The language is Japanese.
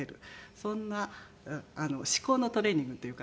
そんな思考のトレーニングっていうかな。